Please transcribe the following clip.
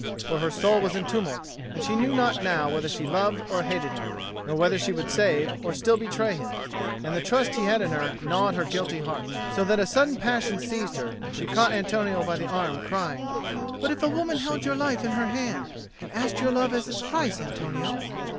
For her soul was in tumult, and she knew not now whether she loved or hated him, nor whether she would save or still betray him. And the trust he had in her gnawed her guilty heart. So that a sudden passion seized her, and she caught Antonio by the arm, crying, "But if a woman held your life in her hand and asked your love as its price, Antonio?"